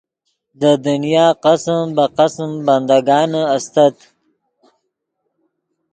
دے دنیا قسم بہ قسم بندگانے استت